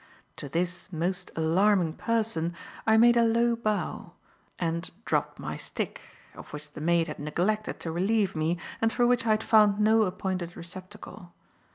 To this most alarming person I made a low bow and dropped my stick, of which the maid had neglected to relieve me and for which I had found no appointed receptacle.